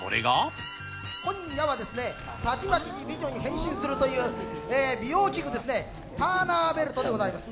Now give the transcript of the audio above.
今夜はですね、たちまちに美女に変身するという、美容器具ですね、ターナーベルトでございます。